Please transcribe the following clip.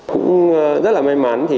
cũng rất là may mắn